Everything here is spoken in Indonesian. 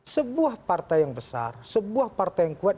sebuah partai yang besar sebuah partai yang kuat